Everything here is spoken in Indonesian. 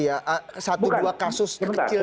ya satu dua kasus kecil